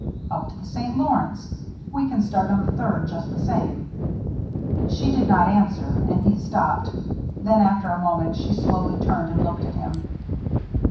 "Up to the St. Lawrence. We can start on the third just the same." She did not answer, and he stopped. Then, after a moment, she slowly turned, and looked at him.